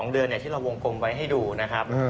๒เดือนอย่างที่เราวงกลมไว้ให้ดูนะครับ